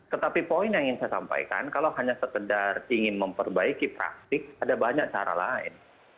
tetapi poin yang ingin saya sampaikan kalau hanya sekedar ingin memperbaiki praktik ada banyak cara lain